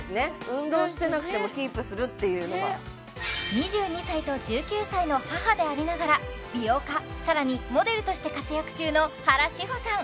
運動してなくてもキープするっていうのは２２歳と１９歳の母でありながら美容家更にモデルとして活躍中の原志保さん